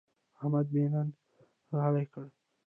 احمد مې نن غلی کړ.